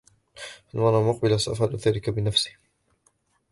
في المرة المقبلة سأفعل ذلك بنفسي.